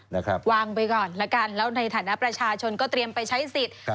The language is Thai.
นะครับวางไปก่อนแล้วกันแล้วในฐานะประชาชนก็เตรียมไปใช้สิทธิ์